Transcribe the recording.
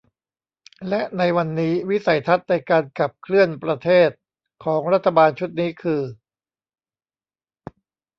และในวันนี้วิสัยทัศน์ในการขับเคลื่อนประเทศของรัฐบาลชุดนี้คือ